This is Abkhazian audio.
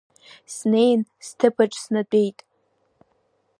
Снеин сҭыԥ аҿы снатәеит.